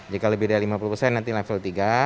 jika lebih dari lima puluh persen nanti level tiga